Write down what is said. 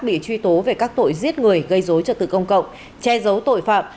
bị truy tố về các tội giết người gây dối trật tự công cộng che giấu tội phạm